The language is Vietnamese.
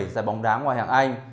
giải bóng đá ngoài hạng anh